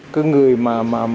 cứ người mà